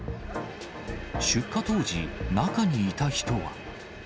出火当時、中にいた人は。